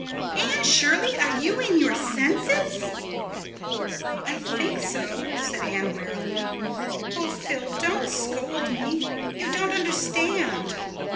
"Anne Shirley, are you in your senses?" "I think so," said Anne wearily. "Oh, Phil, don't scold me. You don't understand."